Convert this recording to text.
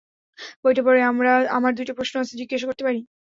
বইটা পড়ে, আমার দুইটা প্রশ্ন আছে, -জিজ্ঞাস করতে পারি?